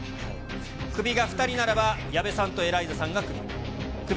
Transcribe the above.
クビが２人ならば、矢部さんとエライザさんがクビ。